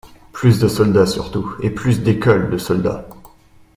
Plus de soldats surtout, et plus d'écoles de soldats.